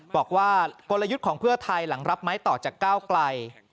บอกว่ากลยุทธ์ของเพื่อไทยหลังรับไม้ต่อจากก้าวไกล